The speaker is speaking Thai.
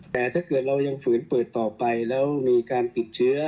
แต่ถ้าเกิดเรายังฝืนเปิดต่อไปแล้วมีการติดเชื้อ